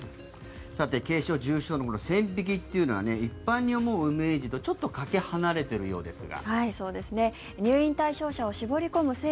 軽症、重症の線引きというのは一般に思うイメージとちょっとかけ離れているようですが。